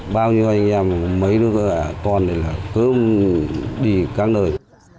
bao nhiêu anh em mấy đứa con này cứ đi các nơi